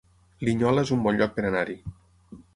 Linyola es un bon lloc per anar-hi